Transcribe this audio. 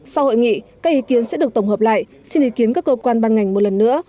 sau hội nghị các ý kiến sẽ được tổng hợp lại xin ý kiến các cơ quan ban ngành một lần nữa